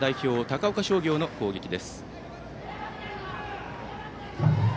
高岡商業の攻撃です。